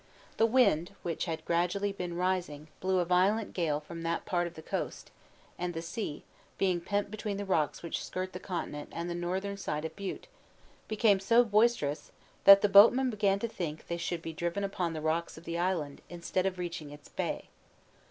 The wind, which had gradually been rising, blew a violent gale from that part of the coast; and the sea, being pent between the rocks which skirt the continent and the northern side of Bute, became so boisterous, that the boatmen began to think they should be driven upon the rocks of the island, instead of reaching its bay.